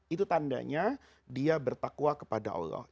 itu tandanya dia bertakwa kepada allah